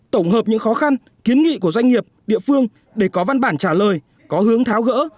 tổng hợp những khó khăn kiến nghị của doanh nghiệp địa phương để có văn bản trả lời có hướng tháo gỡ